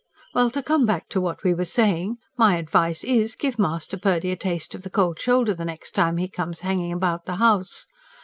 "Well, to come back to what we were saying. My advice is, give Master Purdy a taste of the cold shoulder the next time he comes hanging about the house.